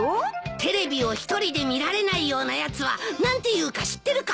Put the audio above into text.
テレビを１人で見られないようなやつは何て言うか知ってるか。